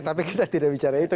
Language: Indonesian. tapi kita tidak bicara itu